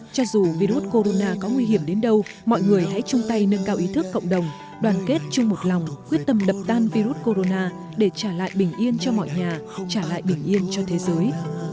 cho dù virus corona có nguy hiểm đến đâu mọi người hãy chung tay nâng cao ý thức cộng đồng đoàn kết chung một lòng quyết tâm đập tan virus corona để trả lại bình yên cho mọi nhà trả lại bình yên cho thế giới